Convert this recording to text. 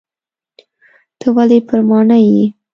ته ولي پر ماڼي یې ؟